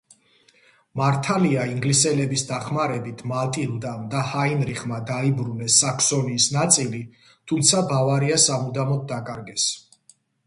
მართალია ინგლისელების დახმარებით მატილდამ და ჰაინრიხმა დაიბრუნეს საქსონიის ნაწილი, თუმცა ბავარია სამუდამოდ დაკარგეს.